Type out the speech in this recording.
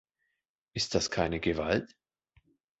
Ist das keine Gewalt?